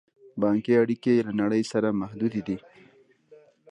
بانکي اړیکې یې له نړۍ سره محدودې دي.